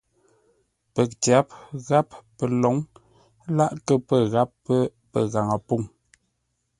Pətyáp gháp pəlǒŋ láʼ kə pə́ gháp pə́ pəghaŋə pûŋ.